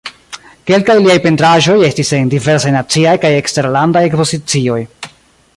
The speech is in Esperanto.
Kelkaj liaj pentraĵoj estis en diversaj naciaj kaj eksterlandaj ekspozicioj.